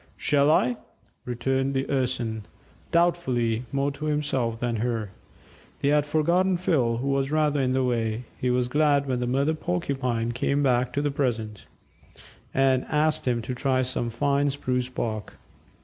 "Shall I?" returned the Urson, doubtfully, more to himself than her. They had forgotten Phil, who was rather in the way. He was glad when the Mother Porcupine came back to the present, and asked him to try some fine spruce bark.